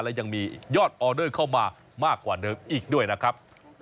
และยังมียอดออเดอร์เข้ามามากกว่าเดิมอีกด้วยนะครับ